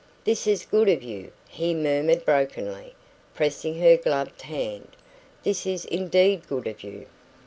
"This is good of you," he murmured brokenly, pressing her gloved hand. "This is indeed good of you!"